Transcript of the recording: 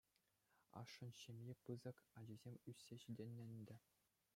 Ашшӗн ҫемйи пысӑк, ачисем ӳссе ҫитӗннӗ ӗнтӗ.